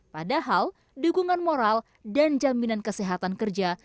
padahal dukungan moral dan jaminan kesehatan kerja